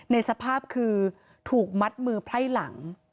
ในสภาพคือถูกมัดมือไพร่หลัง